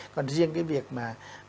còn riêng cái việc mà